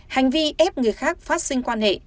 hành vi ép người khác phát sinh quan hệ